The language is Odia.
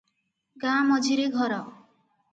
ଗାଁ ମଝିରେ ଘର ।